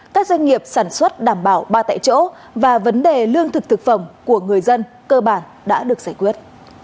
các doanh nghiệp sản xuất đảm bảo ba tại chỗ và vấn đề lương thực thực phẩm của người dân cơ bản đã được giải quyết